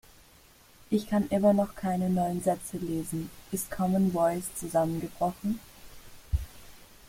Ich kann immer noch keine neuen Sätze lesen. Ist Commen Voice zusammengebrochen?